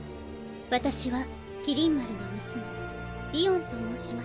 私は麒麟丸の娘りおんと申します。